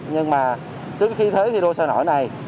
nhưng mà trước khi thế thi đua sôi nổi này